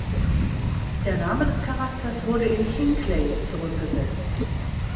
Der Name des Charakters wurde in „Hinkley“ zurückgesetzt.